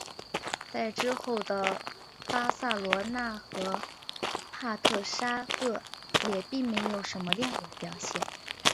在之后的巴塞罗那和帕特沙赫也并没有什么亮眼的表现。